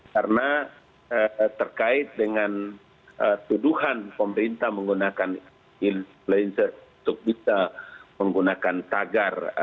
karena terkait dengan tuduhan pemerintah menggunakan influencer untuk bisa menggunakan tagar